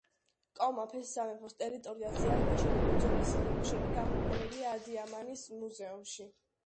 კომაგენეს სამეფოს ტერიტორიაზე აღმოჩენილი უძველესი ნიმუშები გამოფენილია ადიამანის მუზეუმში.